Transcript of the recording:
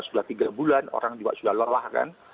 sudah tiga bulan orang juga sudah lelah kan